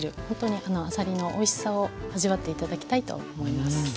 本当にあさりのおいしさを味わって頂きたいと思います。